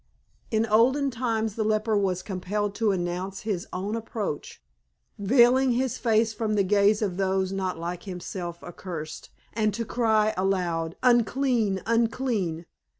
In olden times the leper was compelled to announce his own approach, veiling his face from the gaze of those not like himself accursed, and to cry aloud, "Unclean! Unclean!"